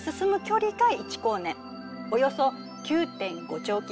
およそ９．５兆キロ。